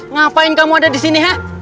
ngapain kamu ada disini he